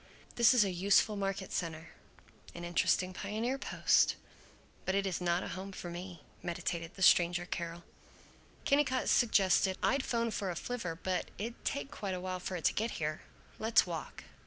"This is a useful market center, an interesting pioneer post, but it is not a home for me," meditated the stranger Carol. Kennicott suggested, "I'd 'phone for a flivver but it'd take quite a while for it to get here. Let's walk."